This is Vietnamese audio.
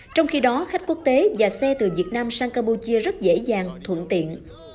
trong khi đó khách quốc tế và xe từ việt nam sang campuchia rất dễ dàng thuận tiện